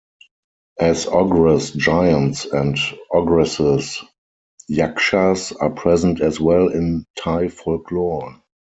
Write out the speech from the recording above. As ogres, giants, and ogresses, yakshas are present as well in Thai folklore.